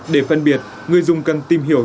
để phân biệt người dùng cần tìm hiểu